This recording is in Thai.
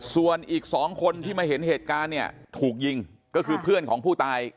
ส่วงอีกสองคนที่มาเห็นเหตุการณ์ถูกยิงคือเพื่อนของผู้ตาย